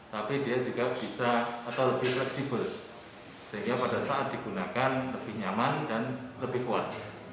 tapi dia juga bisa atau lebih fleksibel sehingga pada saat digunakan lebih nyaman dan lebih kuat